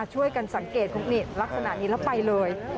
ช่วยกันสังเกตลักษณะนี้แล้วไปเลย